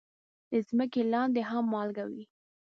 د ځمکې لاندې هم مالګه وي.